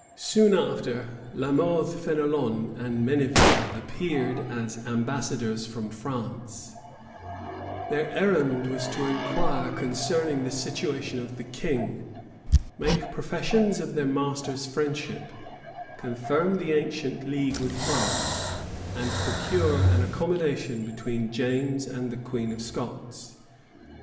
{1583.} Soon after, La Mothe Fenelon and Menneville appeared as ambassadors from France: their errand was to inquire concerning the situation of the king, make professions of their master's friendship, confirm the ancient league with France, and procure an accommodation between James and the queen of Scots.